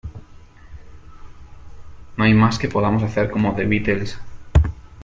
No hay más que podamos hacer como The Beatles.